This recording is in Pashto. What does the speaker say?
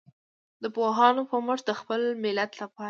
د پوهانو په مټ د خپل ملت لپاره.